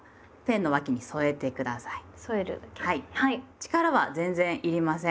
力は全然要りません。